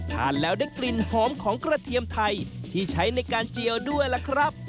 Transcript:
ทานแล้วได้กลิ่นหอมของกระเทียมไทยที่ใช้ในการเจียวด้วยล่ะครับ